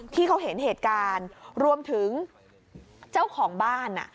ที่เขาเห็นเหตุการณ์รวมถึงเจ้าของบ้าน